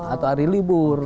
atau hari libur